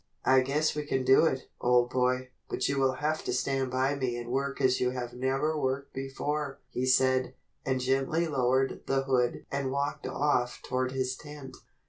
"I guess we can do it, old boy, but you will have to stand by me and work as you have never worked before," he said, and gently lowered the hood and walked off toward his tent.